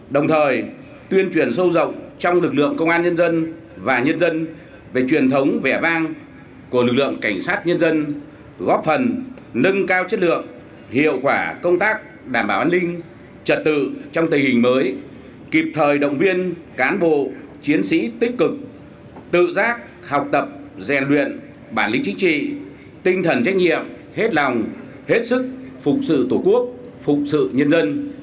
đồng thời tuyên truyền sâu rộng trong lực lượng công an nhân dân và nhân dân về truyền thống vẻ vang của lực lượng cảnh sát nhân dân góp phần nâng cao chất lượng hiệu quả công tác đảm bảo an ninh trật tự trong tình hình mới kịp thời động viên cán bộ chiến sĩ tích cực tự giác học tập rèn luyện bản lĩnh chính trị tinh thần trách nhiệm hết lòng hết sức phục sự tổ quốc phục sự nhân dân